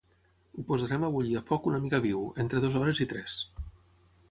Ho posarem a bullir a foc una mica viu, entre dues hores i tres.